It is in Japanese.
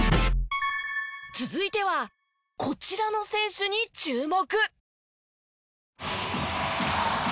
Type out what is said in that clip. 続いてはこちらの選手に注目。